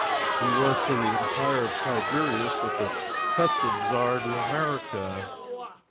He was to the Empire of Tiberias what the customs are to America.